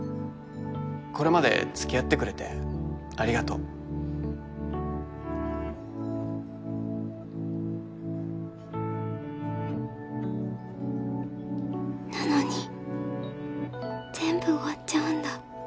これまで付き合ってくれてありがとうなのに全部終わっちゃうんだ